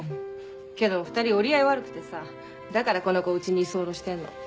けど２人折り合い悪くてさだからこの子家に居候してんの。